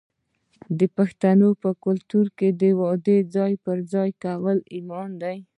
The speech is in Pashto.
د پښتنو په کلتور کې د وعدې ځای پر ځای کول ایمان دی.